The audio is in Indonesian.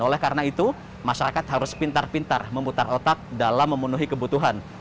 oleh karena itu masyarakat harus pintar pintar memutar otak dalam memenuhi kebutuhan